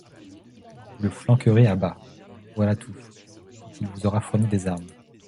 Vous le flanquerez à bas, voilà tout, quand il vous aura fourni des armes.